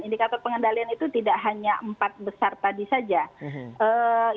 indikator pengendalian itu tidak hanya empat besar tadi saja